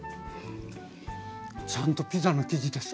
ちゃんとピザの生地です。